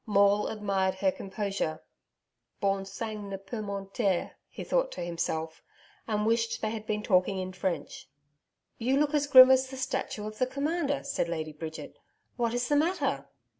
Maule admired her composure. 'BON SANG NE PEUT MENTIR,' he thought to himself, and wished they had been talking in French. 'You look as grim as the statue of the Commander,' said Lady Bridget. 'What is the matter?'